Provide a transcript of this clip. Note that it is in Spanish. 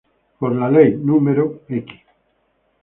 Por la Ley No.